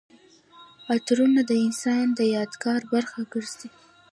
عطرونه د انسان د یادګار برخه ګرځي.